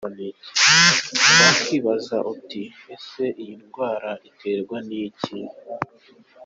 Wakwibaza uti ese iyi ndwara iterwa n’iki?.